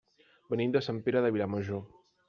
Venim de Sant Pere de Vilamajor.